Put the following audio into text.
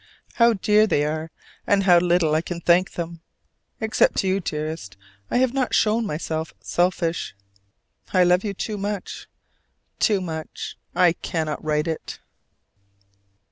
How dear they are, and how little I can thank them! Except to you, dearest, I have not shown myself selfish. I love you too much, too much: I cannot write it.